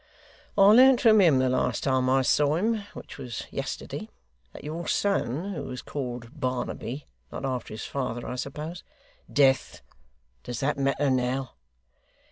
I learnt from him the last time I saw him, which was yesterday, that your son who is called Barnaby not after his father, I suppose ' 'Death! does that matter now!